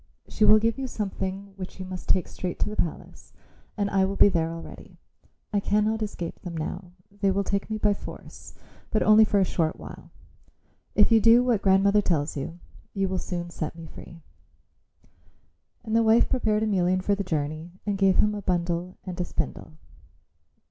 She will give you something which you must take straight to the palace and I will be there already. I cannot escape them now; they will take me by force, but only for a short while. If you do what grandmother tells you, you will soon set me free." And the wife prepared Emelian for the journey and gave him a bundle and a spindle.